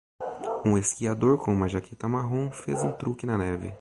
Um esquiador com uma jaqueta marrom faz um truque na neve.